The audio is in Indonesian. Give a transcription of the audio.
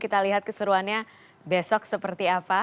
kita lihat keseruannya besok seperti apa